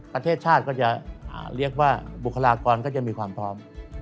ประเทศชาติก็จะเรียกว่าบุคลากรก็จะมีความพร้อม